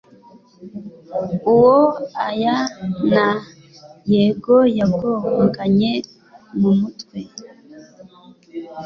uwo oya na yego yagonganye mumutwe